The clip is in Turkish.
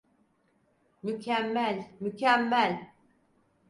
Mükemmel, mükemmel.